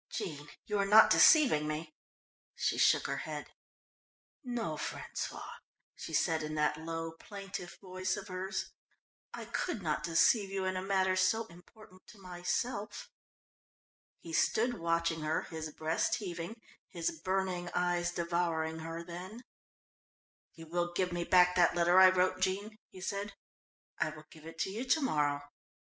"Jean, you are not deceiving me?" She shook her head. "No, François," she said in that low plaintive voice of hers, "I could not deceive you in a matter so important to myself." He stood watching her, his breast heaving, his burning eyes devouring her, then: "You will give me back that letter I wrote, Jean?" he said. "I will give it to you to morrow."